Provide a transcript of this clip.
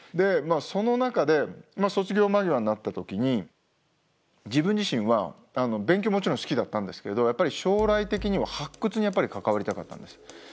その中で卒業間際になった時に自分自身は勉強もちろん好きだったんですけれどやっぱり将来的には発掘に関わりたかったんです。